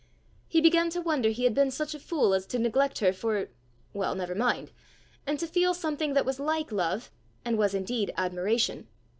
He began to wonder he had been such a fool as neglect her for well, never mind! and to feel something that was like love, and was indeed admiration.